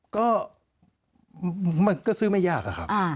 ก็ซื้อไม่ยากครับ